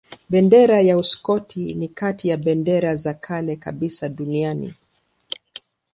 Bendera ya Uskoti ni kati ya bendera za kale kabisa duniani.